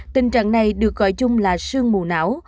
tình trạng này được gọi chung là sương mù não